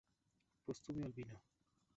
Postumio Albino.